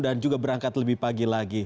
dan juga berangkat lebih pagi lagi